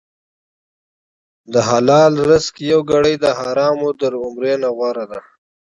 د حلال رزق یوه ګړۍ د حرامو عمره غوره ده.